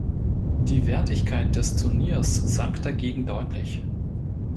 Die Wertigkeit des Turniers sank dagegen deutlich.